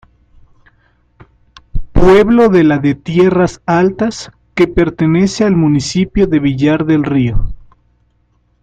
Pueblo de la de Tierras Altas que pertenece al municipio de Villar del Río.